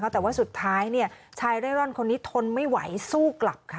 แต่ว่าสุดท้ายชายเร่ร่อนคนนี้ทนไม่ไหวสู้กลับค่ะ